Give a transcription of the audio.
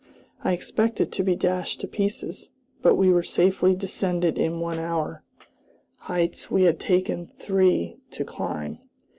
I expected to be dashed to pieces, but we safely descended in one hour, heights we had taken three to climb.